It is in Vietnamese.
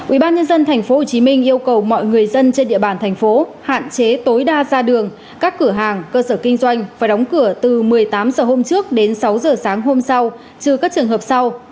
ubnd tp hcm yêu cầu mọi người dân trên địa bàn thành phố hạn chế tối đa ra đường các cửa hàng cơ sở kinh doanh phải đóng cửa từ một mươi tám h hôm trước đến sáu h sáng hôm sau trừ các trường hợp sau